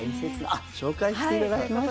あ、紹介していただきましょう。